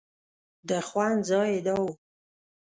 د خوند ځای یې دا و.